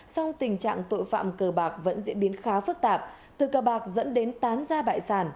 song tình trạng tội phạm cờ bạc vẫn diễn biến khá phức tạp từ cờ bạc dẫn đến tán ra bại sản